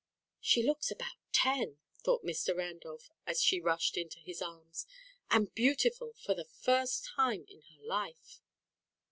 "She looks about ten," thought Mr. Randolph, as she rushed into his arms; "and beautiful for the first time in her life."